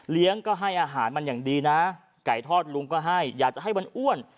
ก็ให้อาหารมันอย่างดีนะไก่ทอดลุงก็ให้อยากจะให้มันอ้วน